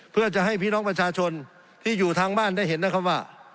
เพื่อจะให้พี่น้องประชาชนที่อยู่ทางบ้านได้เห็นนะครับว่า